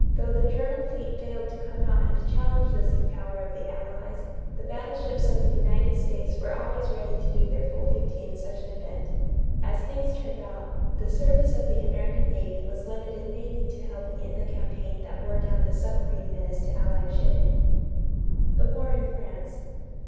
Though the German fleet failed to come out and challenge the sea power of the Allies, the battleships of the United States were always ready to do their full duty in such an event. As things turned out, the service of the American navy was limited mainly to helping in the campaign that wore down the submarine menace to Allied shipping. =The War in France.